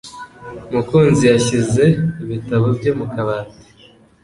Mukunzi yashyize ibitabo bye mu kabati.